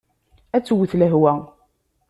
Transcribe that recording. Ad twet lehwa.